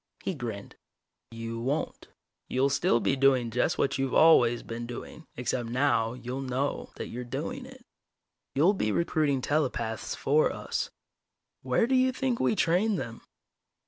He grinned. "You won't. You'll still be doing just what you've always been doing, except now you'll know that you're doing it. You'll be recruiting telepaths for us. Where do you think we train them?"